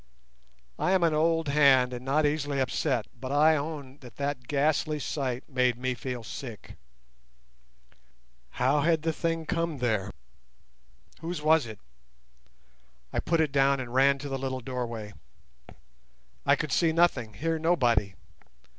_ I am an old hand and not easily upset, but I own that that ghastly sight made me feel sick. How had the thing come there? Whose was it? I put it down and ran to the little doorway. I could see nothing, hear nobody.